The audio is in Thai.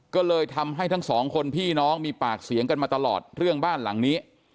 ก็เลยทำให้ทั้งสองคนพี่น้องมีปากเสียงกันมาตลอดเรื่องบ้านหลังนี้